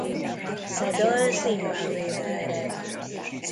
A dal Zimbabwe-ből ered.